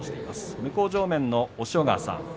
向正面の押尾川さん